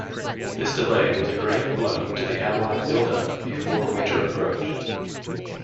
This delay was a grave blow to the Allied build-up before winter approached.